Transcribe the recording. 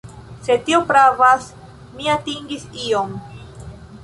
Se tio pravas, mi atingis ion.